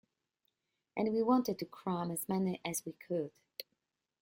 And we wanted to cram as many in as we could.